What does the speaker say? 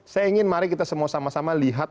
saya ingin mari kita semua sama sama lihat